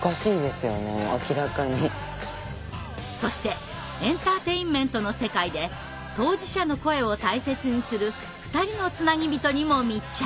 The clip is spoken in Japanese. そしてエンターテインメントの世界で当事者の“声”を大切にする２人のつなぎびとにも密着。